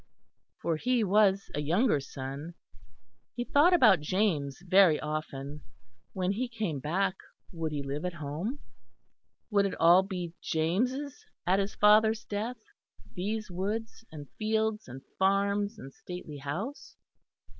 For he was a younger son. He thought about James very often. When he came back would he live at home? Would it all be James' at his father's death, these woods and fields and farms and stately house?